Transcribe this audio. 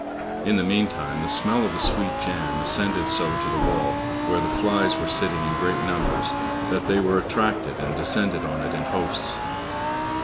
In the meantime the smell of the sweet jam ascended so to the wall, where the flies were sitting in great numbers, that they were attracted and descended on it in hosts.